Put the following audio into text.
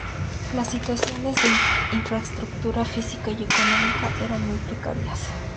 Las situaciones de infraestructura física y económica eran muy precarias.